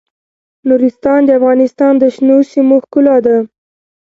نورستان د افغانستان د شنو سیمو ښکلا ده.